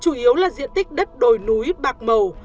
chủ yếu là diện tích đất đồi núi bạc màu